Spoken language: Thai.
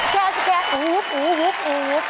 แคสแคสแคส